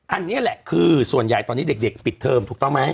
อันนี้แหละคือส่วนใหญ่ตอนนี้เด็กปิดเทอมถูกต้องไหม